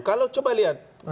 kalau coba lihat